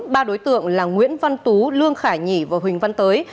ba đối tượng là nguyễn văn tú lương khải nhỉ và huỳnh văn tới